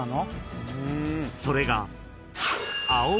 ［それが］